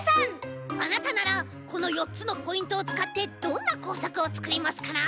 あなたならこの４つのポイントをつかってどんなこうさくをつくりますかな？